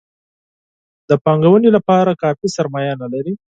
د پانګونې لپاره کافي سرمایه نه لري.